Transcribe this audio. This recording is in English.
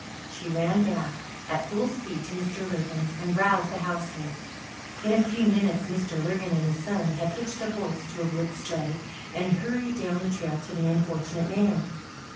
She ran back at full speed to Mr. Lurgan's, and roused the household. In a few minutes Mr. Lurgan and his son had hitched a horse to a wood sleigh, and hurried down the trail to the unfortunate man.